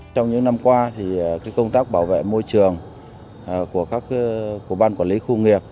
trong những năm qua thì công tác bảo vệ môi trường của ban quản lý khu công nghiệp